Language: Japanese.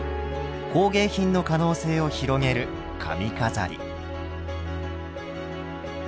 工芸品の可能性を広げる髪飾り。